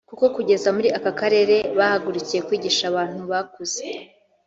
kuko kugeza muri aka karere bahagurukiye kwigisha abantu bakuze